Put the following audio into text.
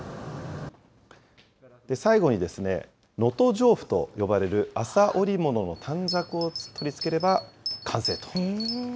最後に、能登上布と呼ばれる麻織物の短冊を取り付ければ完成と。